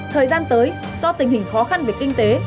thời gian tới do tình hình khó khăn về kinh tế